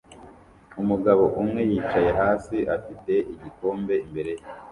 Umugabo umwe yicaye hasi afite igikombe imbere ye